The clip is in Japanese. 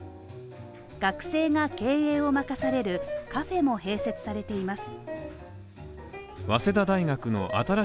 学生が経営を巻かされるカフェも併設されています。